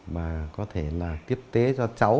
mà có thể là tiếp tế cho cháu